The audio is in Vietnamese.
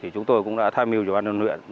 chúng tôi cũng đã thay mưu cho bản đồng huyện